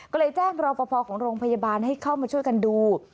ก็เลยแจ้งรอปภของโรงพยาบาลให้เข้ามาช่วยกันดู